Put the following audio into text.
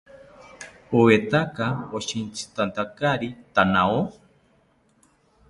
¿Oetaka oshitzitantakari thanao?